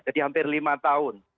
jadi hampir lima tahun